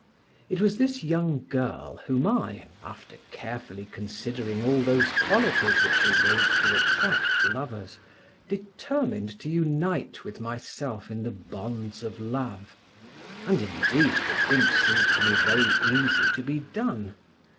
It was this young girl whom I, after carefully considering all those qualities which are wont to attract lovers, determined to unite with myself in the bonds of love, and indeed the thing seemed to me very easy to be done.